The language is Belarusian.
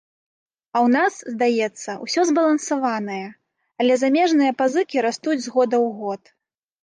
А ў нас, здаецца, усё збалансаванае, але замежныя пазыкі растуць з года ў год.